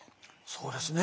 そうですね。